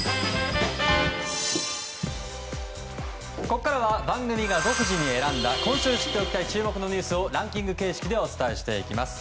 ここからは番組が独自に選んだ今週知っておきたい注目のニュースをランキング形式でお伝えしていきます。